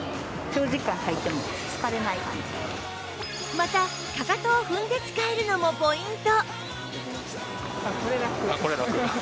またかかとを踏んで使えるのもポイント